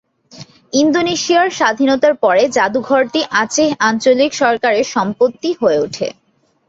ইন্দোনেশিয়ার স্বাধীনতার পরে যাদুঘরটি আচেহ আঞ্চলিক সরকারের সম্পত্তি হয়ে ওঠে।